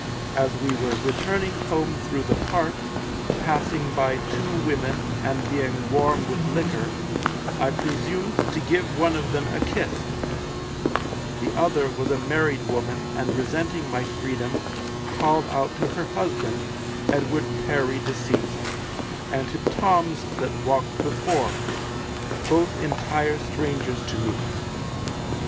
As we were returning home through the Park, passing by two women, and being warm with liquor, I presumed to give one of them a kiss; the other was a married woman, and resenting my freedom, called out to her husband, Edward Perry deceased, and to Toms that walked before, both entire strangers to me.